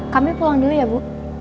kami pulang dulu ya bu